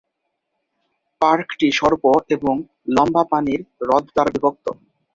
পার্কটি সর্প এবং লম্বা পানির হ্রদ দ্বারা বিভক্ত।